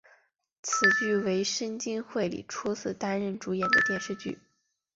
此剧为深津绘里初次担任主演的电视剧。